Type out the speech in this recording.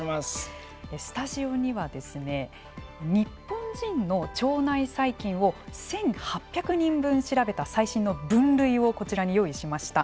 スタジオには日本人の腸内細菌を１８００人分調べた最新の分類をこちらに用意しました。